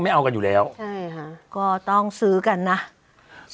ไม่เอากันอยู่แล้วก็ต้องซื้อกันนะอยากรู้ก็ต้องซื้อ